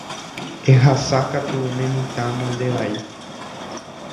Ehasákatu ne mitã molde vai.